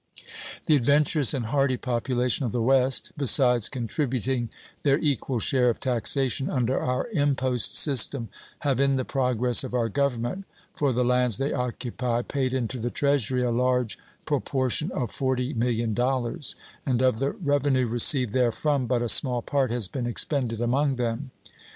The adventurous and hardy population of the West, besides contributing their equal share of taxation under our impost system, have in the progress of our Government, for the lands they occupy, paid into the Treasury a large proportion of $40,000,000, and of the revenue received therefrom but a small part has been expended among them.